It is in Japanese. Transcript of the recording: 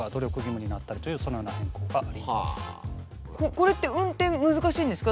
これって運転難しいんですか？